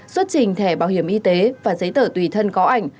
xuất trình thẻ bảo hiểm y tế và giấy tờ tùy thân có ảnh